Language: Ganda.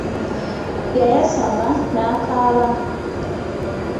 Yayasama n'akaaba.